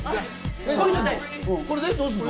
これでどうするの？